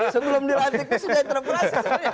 sebelum dilatih sudah interpolasi